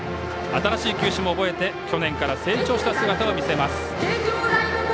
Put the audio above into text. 新しい球種も覚えて去年から成長した姿を見せます。